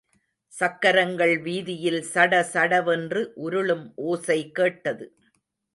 சக்கரங்கள் வீதியில் சடசட வென்று உருளும் ஓசை கேட்டது.